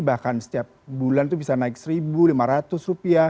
bahkan setiap bulan itu bisa naik rp satu lima ratus